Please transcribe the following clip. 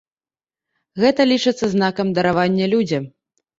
Гэта лічыцца знакам даравання людзям.